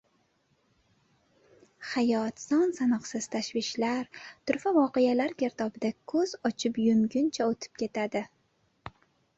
Hayot son-sanoqsiz tashvishlar, turfa voqealar girdobida ko‘z ochib yumguncha o‘tib ketadi.